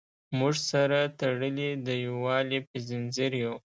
موږ سره تړلي د یووالي په زنځیر یو.